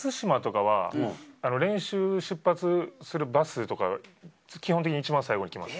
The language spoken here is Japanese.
松島とかは練習、出発するバスとか基本的に一番最後に行きます。